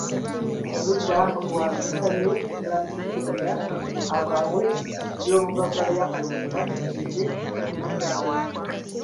Oludda oluwaabi lusabye Omulamuzi Tibulya abowe eby'obugagga bya Kazinda, kibeere essomo eri abalala